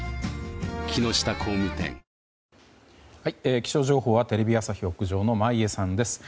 気象情報はテレビ朝日屋上の眞家さんです。